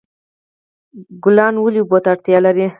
ګلان ولې اوبو ته اړتیا لري؟